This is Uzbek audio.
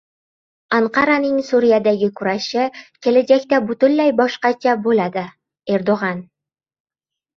Anqaraning Suriyadagi kurashi kelajakda butunlay boshqacha bo‘ladi-Erdo‘g‘an